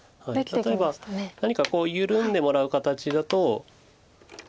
例えば何かこう緩んでもらう形だと。